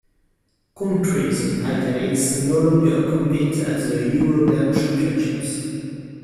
Countries in "italics" no longer compete at the European Championships.